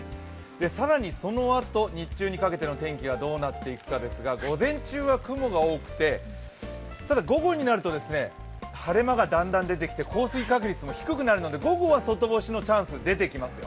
更にそのあと、日中にかけての天気がどうなっていくかですが、午前中は雲が多くて、ただ午後になると晴れ間がだんだん出てきて降水確率も低くなるので午後は外干しのチャンス出てきますよ。